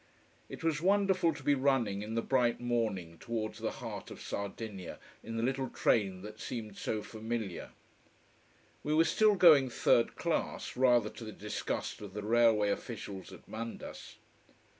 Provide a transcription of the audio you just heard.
It was wonderful to be running in the bright morning towards the heart of Sardinia, in the little train that seemed so familiar. We were still going third class, rather to the disgust of the railway officials at Mandas.